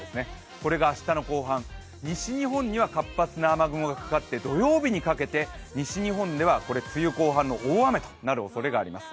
これが明日の後半、西日本には活発な雨雲がかかって、土曜日にかけて西日本では梅雨後半の大雨となるおそれがあります。